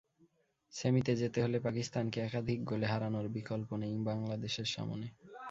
সেমিতে যেতে হলে পাকিস্তানকে একাধিক গোলে হারানোর বিকল্প নেই বাংলাদেশের সামনে।